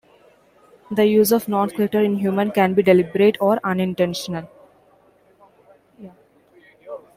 The use of non sequitur in humor can be deliberate or unintentional.